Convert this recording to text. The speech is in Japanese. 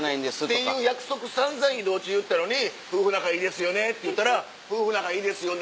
っていう約束散々移動中言ったのに「夫婦仲いいですよね」って言ったら「夫婦仲いいですよね」